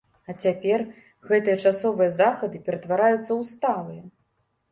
А цяпер гэтыя часовыя захады ператвараюцца ў сталыя.